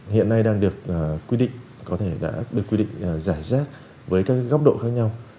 hiện nay đang được quy định có thể đã được quy định giải rác với các góc độ khác nhau